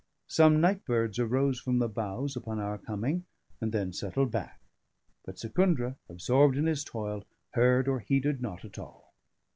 Some night birds arose from the boughs upon our coming, and then settled back; but Secundra, absorbed in his toil, heard or heeded not at all.